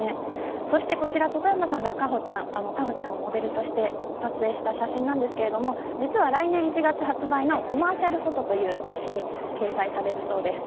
そして、こちらトクヤマさんが果歩ちゃんをモデルとして撮影した写真ですが実は来年１月発売のコマーシャルフォトという雑誌に掲載されるそうです。